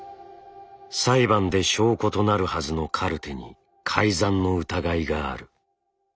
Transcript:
裁判で証拠となるはずのカルテに改ざんの疑いがある。